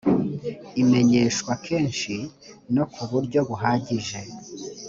imenyeshwa kenshi no ku buryo buhagije